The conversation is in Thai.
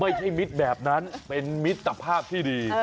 ไม่ใช่มิตรแบบนั้นเป็นมิตรสภาพที่ดี